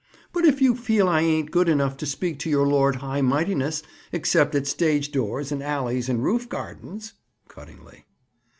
"But if you feel I ain't good enough to speak to your Lord Highmightiness, except at stage doors and alleys and roof gardens—" Cuttingly.